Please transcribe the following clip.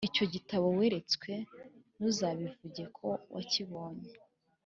Icyo gitabo weretswe ntuzabivuge ko wakibonye